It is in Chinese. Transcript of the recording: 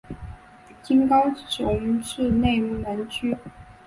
今高雄市内门区。